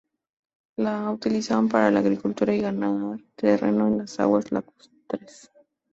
Las utilizaban para la agricultura y ganar terreno a las aguas lacustres.